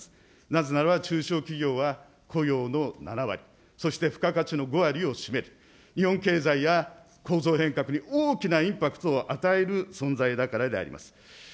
なぜならば中小企業は雇用の７割、そして付加価値の５割を占める、日本経済や構造変革に大きなインパクトを与える存在だからであります。